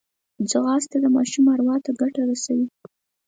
ځغاسته د ماشوم اروا ته ګټه رسوي